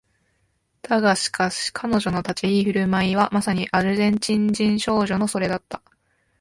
だがしかし彼女の立ち居振る舞いはまさにアルゼンチン人少女のそれだった